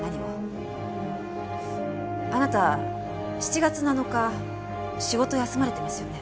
あなた７月７日仕事休まれてますよね？